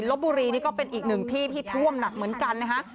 ลบบุรีนี่ก็เป็นอีกหนึ่งที่ที่ท่วมหนักเหมือนกันนะฮะ